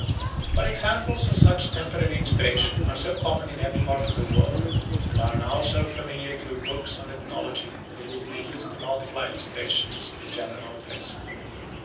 But examples of such temporary inspiration are so common in every part of the world and are now so familiar through books on ethnology that it is needless to multiply illustrations of the general principle.